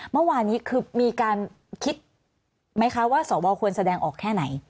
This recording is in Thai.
เมื่อวานนี้คือมีการคิดไหมคะว่าสวควรแสดงออกแค่ไหน